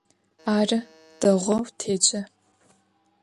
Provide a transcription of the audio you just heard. Arı, değou têce.